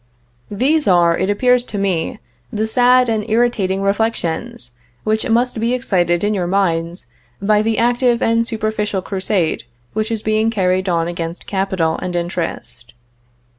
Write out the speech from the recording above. These are, it appears to me, the sad and irritating reflections which must be excited in your minds by the active and superficial crusade which is being carried on against capital and interest.